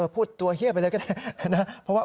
พูดตัวแหี้ยไปเลยก็ได้